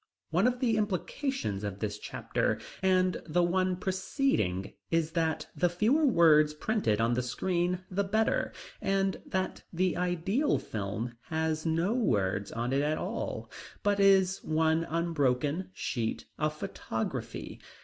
One of the implications of this chapter and the one preceding is that the fewer words printed on the screen the better, and that the ideal film has no words printed on it at all, but is one unbroken sheet of photography.